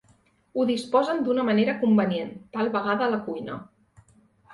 Ho disposen d'una manera convenient, tal vegada a la cuina.